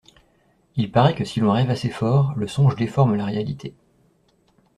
Il paraît que si l’on rêve assez fort, le songe déforme la réalité.